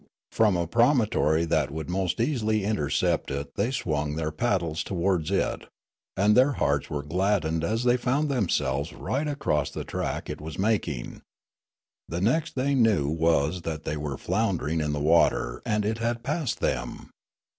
From a promontory that would most easily intercept it they swung their paddles towards it ; and their hearts were gladdened as they found themselves right across the track it was making. The next they knew was that they were floundering in the water and it had passed them.